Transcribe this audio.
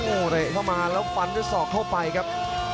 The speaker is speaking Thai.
โอ้โหเละเข้ามาแล้วฟันด้วยศอกเข้าไปครับ